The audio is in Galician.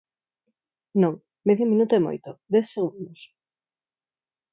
Non, medio minuto é moito, dez segundos.